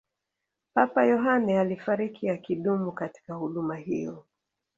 papa yohane alifariki akidumu katika huduma hiyo